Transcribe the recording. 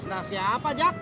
sendal siapa jack